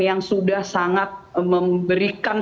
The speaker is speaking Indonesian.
yang sudah sangat memberikan